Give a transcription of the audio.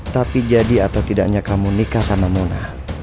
tapi jadi atau tidaknya kamu nikah sama mona